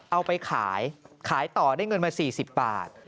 เอาไปขายขายต่อได้เงินมา๔๐บาท